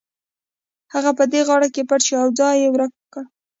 هغه په دې غار کې پټ شو او ځان یې ورک کړ